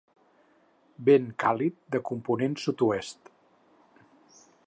Vent càlid de component sud-oest.